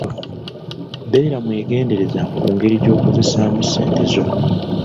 Beera mwegendereza ku ngeri gy'okozesaamu ssente zo.